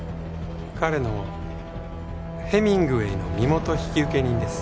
彼のヘミングウェイの身元引受人です。